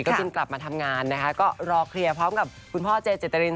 จึงกลับมาทำงานนะคะก็รอเคลียร์พร้อมกับคุณพ่อเจเจตริน